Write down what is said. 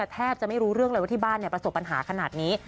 แทบจะไม่รู้เรื่องเลยว่าที่บ้านประสบปัญหาขนาดนี้